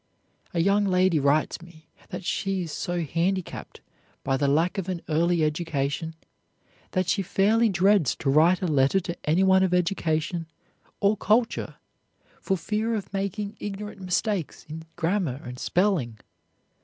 A young lady writes me that she is so handicapped by the lack of an early education that she fairly dreads to write a letter to anyone of education or culture for fear of making ignorant mistakes in grammar and spelling.